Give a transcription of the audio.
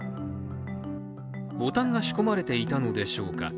ボタンが仕込まれていたのでしょうか